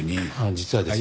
実はですね。